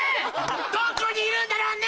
⁉どこにいるんだろうね